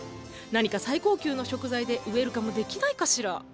何か最高級の食材でウエルカムできないかしら？